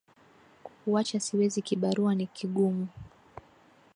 kukuwacha siwezi kibarua ni kigumu